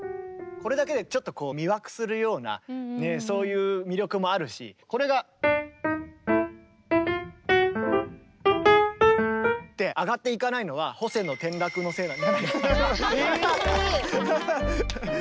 これだけでちょっとこう魅惑するようなそういう魅力もあるしこれが。って上がっていかないのはホセの転落のせいなんじゃないかな。